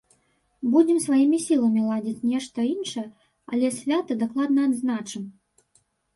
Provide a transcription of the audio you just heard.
Будзем сваімі сіламі ладзіць нешта іншае, але свята дакладна адзначым!